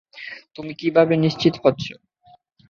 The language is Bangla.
তুমি কীভাবে নিশ্চিত হচ্ছ?